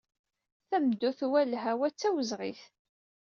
Tameddurt war lhawa d tawezɣit.